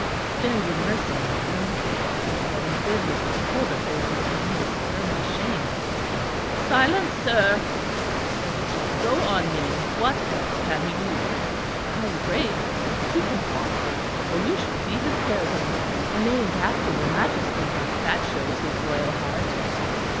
"Extend your mercy, madam," he said, "and bid Mistress Corbet hold her tongue and spare my shame." "Silence, sir!" said the Queen. "Go on, Minnie; what else can he do?" "Ah! your Grace, he can hawk. Oh! you should see his peregrine; named after your Majesty. That shows his loyal heart."